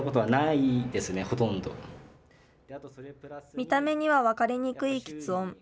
見た目には分かりにくいきつ音。